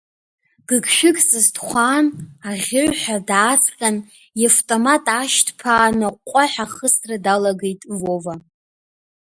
Гыгшәыгҵас дхәаан, аӷьеҩҳәа дааҵҟьан, иавтомат аашьҭԥааны аҟәҟәаҳәа ахысра далагеит Вова.